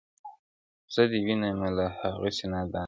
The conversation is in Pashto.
زه دي وینمه لا هغسي نادان یې,